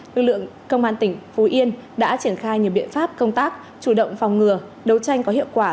lực lượng công an tỉnh phú yên đã triển khai nhiều biện pháp công tác chủ động phòng ngừa đấu tranh có hiệu quả